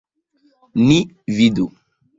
Ni vidu!